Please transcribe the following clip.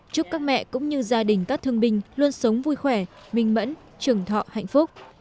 chúc các mẹ cũng như gia đình các thương binh luôn sống vui khỏe minh mẫn trưởng thọ hạnh phúc